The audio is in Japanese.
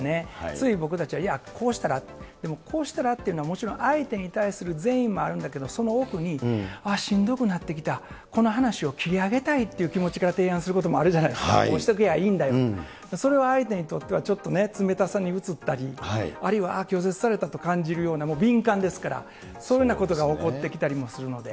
つい僕たちは、こうしたらと、でもこうしたらっていうのは、もちろん相手に対する善意もあるんだけど、その奥に、しんどくなってきた、この話を切り上げたいという気持ちから提案することもあるじゃないですか、こうしときゃいいんだよって。それは相手にとってはちょっとね、冷たさにうつったり、あるいは拒絶されたと感じるような、敏感ですから、そういうようなことが起こってきたりもするので。